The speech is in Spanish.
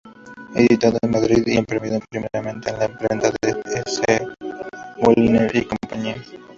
Editado en Madrid, se imprimió primeramente en la imprenta de C. Moliner y Compañía.